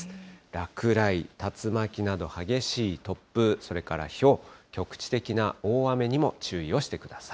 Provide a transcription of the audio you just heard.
落雷、竜巻など激しい突風、それからひょう、局地的な大雨にも注意をしてください。